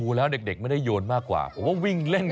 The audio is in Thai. แล้วเด็กไม่ได้โยนมากกว่าผมว่าวิ่งเล่น